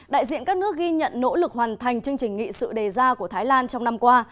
đại diện các nước ghi nhận nỗ lực hoàn thành chương trình nghị sự đề ra của thái lan trong năm qua